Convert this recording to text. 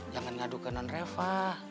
jangan ngadu ngadu dengan reva